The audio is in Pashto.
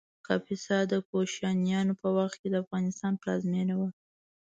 کاپیسا د کوشانیانو په وخت کې د افغانستان پلازمېنه وه